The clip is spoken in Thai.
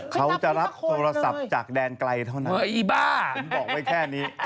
เขาจะรับโทรศัพท์จากแดนไกลเท่านั้น